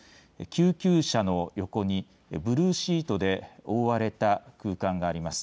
救急車の横にブルーシートで覆われた空間があります。